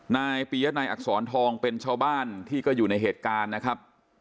นายปียะนายอักษรทองเป็นชาวบ้านที่ก็อยู่ในเหตุการณ์นะครับ